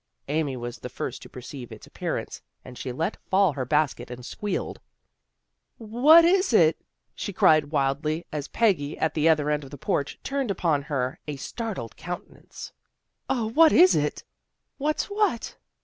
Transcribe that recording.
Amy was the first to perceive its appearance and she let fall her basket and squealed. " What is it? " she cried wildly, as Peggy, at the other end of the porch, turned upon her a startled countenance, " O, what is it? "" What's what?